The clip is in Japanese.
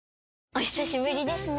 お久しぶりですね。